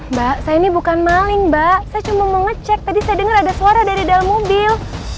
mbak saya ini bukan maling mbak saya cuma mengecek tadi saya dengar ada suara dari dalam mobil